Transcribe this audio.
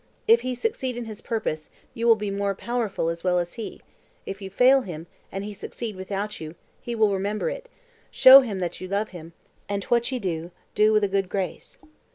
If he succeed in his purpose, you will be more powerful as well as he; if you fail him, and he succeed without you, he will remember it: show that you love him, and what ye do, do with a good grace."